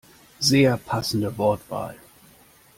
Sehr passende Wortwahl!